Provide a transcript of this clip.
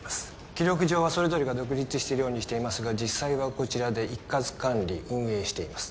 記録上はそれぞれが独立しているようにしていますが実際はこちらで一括管理運営しています